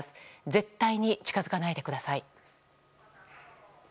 絶対に近づかないでください。